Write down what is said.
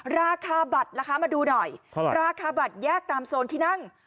ราคาบัตรล่ะคะมาดูหน่อยราคาบัตรแยกตามโซนที่นั่ง